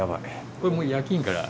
これもう夜勤から？